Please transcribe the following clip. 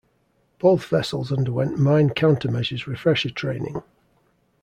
Both vessels underwent mine countermeasures refresher training.